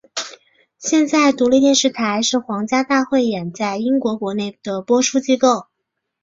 现在独立电视台是皇家大汇演在英国国内的播出机构。